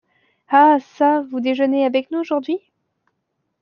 Ah çà, vous déjeunez avec nous aujourd’hui?